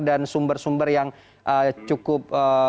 dan sumber sumber yang cukup